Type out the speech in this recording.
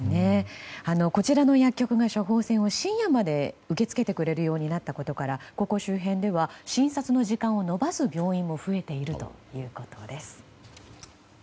こちらの薬局が処方箋を深夜まで受け付けてくれることからここ周辺では診察の時間を延ばす病院も増えているということです。